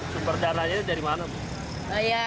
sumber dana ini dari mana